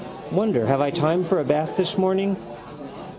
Wonder have I time for a bath this morning.